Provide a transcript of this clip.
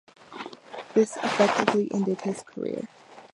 This effectively ended his career.